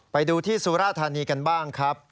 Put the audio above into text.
ไปดูที่สุราธานีกันบ้างครับ